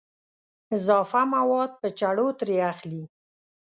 اضافه مواد په چړو ترې اخلي.